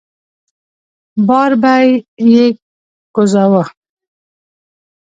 بار به يې کوزاوه.